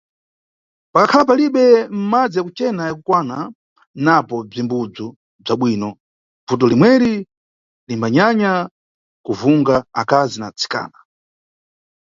Pangakhala palibe madzi ya kucena ya kukwana, napo bzimbudzu bza bwino, bvuto limweri limbanyanya kuvunga akazi na atsikana.